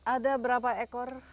ada berapa ekor